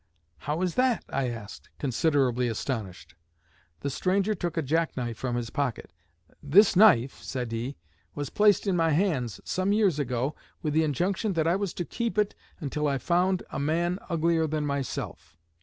'How is that?' I asked, considerably astonished. The stranger took a jack knife from his pocket. 'This knife,' said he, 'was placed in my hands some years ago with the injunction that I was to keep it until I found a man uglier than myself.